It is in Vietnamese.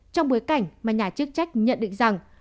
trong bối cảnh mà nhà chức trách nhận định rằng